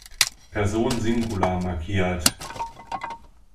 Person Singular markiert.